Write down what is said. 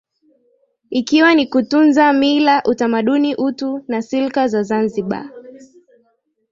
Ikiwa ni kutunza Mila utamaduni utu na silka za Zanzibar